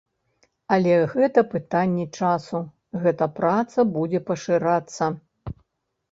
Але гэта пытанне часу, гэта праца будзе пашырацца.